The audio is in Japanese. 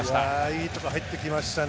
いいところに入ってきましたね。